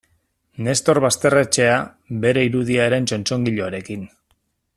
Nestor Basterretxea bere irudiaren txotxongiloarekin.